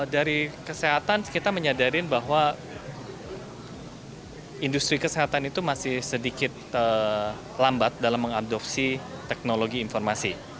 dari kesehatan kita menyadari bahwa industri kesehatan itu masih sedikit lambat dalam mengadopsi teknologi informasi